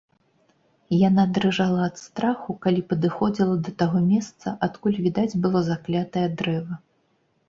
Яна дрыжала ад страху, калі падыходзіла да таго месца, адкуль відаць было заклятае дрэва.